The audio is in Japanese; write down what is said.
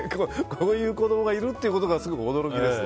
こういう子供がいるということがすごく驚きです。